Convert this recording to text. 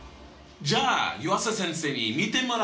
じゃあ湯浅先生に見てもらおう。